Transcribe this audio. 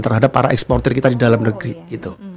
terhadap para eksportir kita di dalam negeri gitu